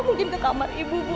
mungkin ke kamar ibu ibu